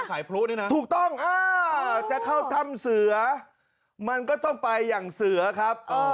พลุด้วยนะถูกต้องจะเข้าถ้ำเสือมันก็ต้องไปอย่างเสือครับ